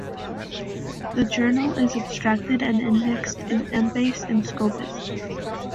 The journal is abstracted and indexed in Embase and Scopus.